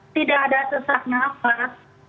tidak ada sesak nafas